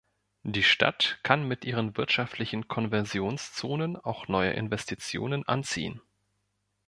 Die Stadt kann mit ihren wirtschaftlichen Konversionszonen auch neue Investitionen anziehen.